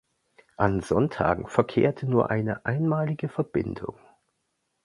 An Sonntagen verkehrte nur eine einmalige Verbindung.